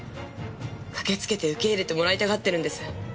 駆けつけて受け入れてもらいたがってるんです。